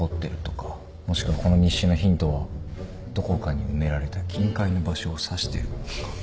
もしくはこの日誌のヒントはどこかに埋められた金塊の場所を指してるとか。